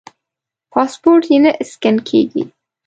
پاسپورټ یې نه سکېن کېږي.